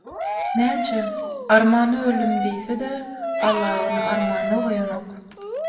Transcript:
Näçe «Armanly öldüm» diýse-de, Alla ony armanda goýanok.